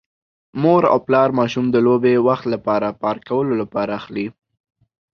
مور او پلار ماشوم د لوبې وخت لپاره پارک کولو لپاره اخلي.